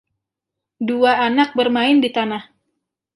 Dua anak bermain di tanah.